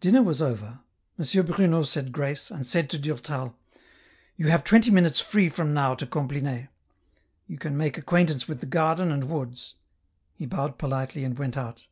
Dinner was over ; M. Bruno said grace, and said to Durtal, " You have twenty minutes free from now to Compline ; you can make acquaintance with the garden and woods." He bowed politely and went out.